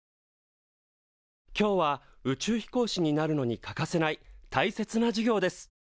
今日は宇宙飛行士になるのに欠かせないたいせつな授業です。